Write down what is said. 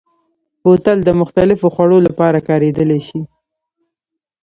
بوتل د مختلفو خوړو لپاره کارېدلی شي.